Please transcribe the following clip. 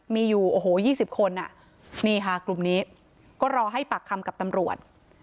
มีอยู่โอ้โห๒๐คนนี่ค่ะกลุ่มนี้ก็รอให้ปากคำกับตำรวจ